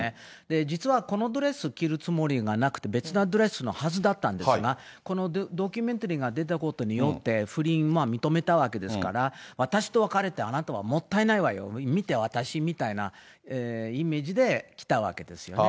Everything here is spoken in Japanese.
実はこのドレス着るつもりはなくて、別なドレスなはずだったんですが、このドキュメンタリーが出たことによって、不倫を認めたわけですから、私と別れてあなたはもったいないわよ、見て、私みたいな、イメージできたわけですよね。